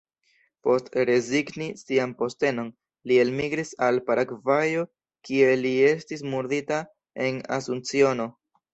Post rezigni sian postenon, li elmigris al Paragvajo, kie li estis murdita en Asunciono.